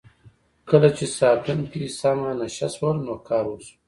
کله چې ساتونکي سم نشه شول نو کار وشو.